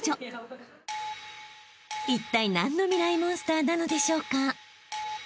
［いったい何のミライ☆モンスターなのでしょうか］